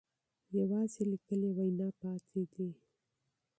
یوازې لیکلې وینا پاتې ده.